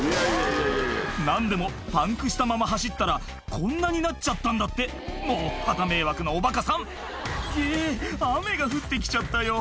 何でもパンクしたまま走ったらこんなになっちゃったんだってもうはた迷惑なおバカさん「ヒエ雨が降って来ちゃったよ」